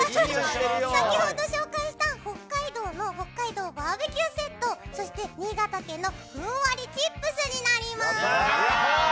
先ほど紹介した北海道の北海道バーベキューセットそして、新潟県のふんわりチップスになります。